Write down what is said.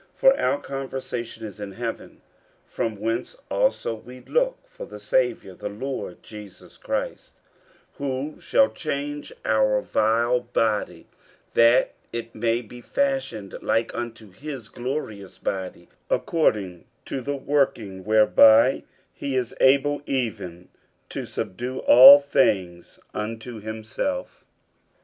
50:003:020 For our conversation is in heaven; from whence also we look for the Saviour, the Lord Jesus Christ: 50:003:021 Who shall change our vile body, that it may be fashioned like unto his glorious body, according to the working whereby he is able even to subdue all things unto himself.